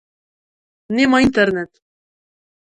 Нема интернет.